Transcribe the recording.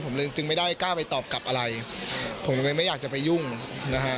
ผมเลยจึงไม่ได้กล้าไปตอบกลับอะไรผมเลยไม่อยากจะไปยุ่งนะฮะ